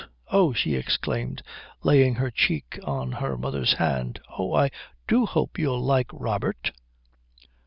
"Oh," she exclaimed, laying her cheek on her mother's hand, "oh, I do hope you'll like Robert!"